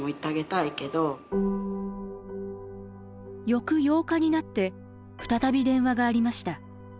翌８日になって再び電話がありました。